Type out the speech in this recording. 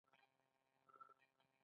ګرامر د ژبې مهمه برخه ده.